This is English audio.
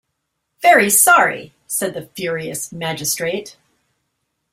‘Very sorry!’ said the furious magistrate.